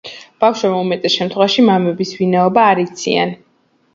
ბავშვებმა უმეტეს შემთხვევაში, მამების ვინაობა არც იციან.